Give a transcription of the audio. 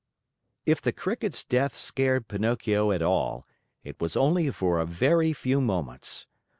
If the Cricket's death scared Pinocchio at all, it was only for a very few moments.